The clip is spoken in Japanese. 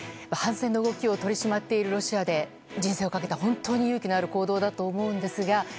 反戦の動きを取り締まっているロシアで人生をかけた本当に勇気ある行動だと思うんですが。